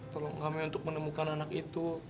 tolong kami untuk menemukan anak itu